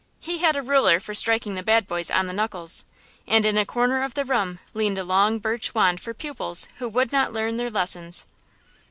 He had a ruler for striking the bad boys on the knuckles, and in a corner of the room leaned a long birch wand for pupils who would not learn their lessons.